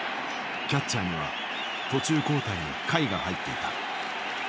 キャッチャーには途中交代の甲斐が入っていた。